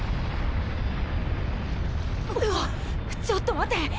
ちょっと待て！